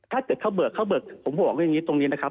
ถ้าเกิดเขาเบิกเขาเบิกผมบอกว่าอย่างนี้ตรงนี้นะครับ